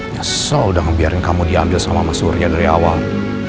ya so udah ngebiarin kamu diambil sama mas surya dari awal